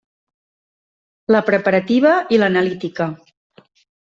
La Preparativa i l'Analítica.